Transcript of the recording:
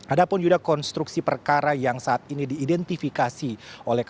ada pun yuda konstruksi perkara yang saat ini diidentifikasi oleh kpk